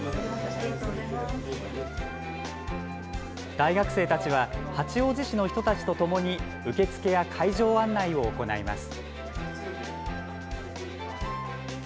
大学生たちは八王子市の人たちとともに受付や会場案内を行います。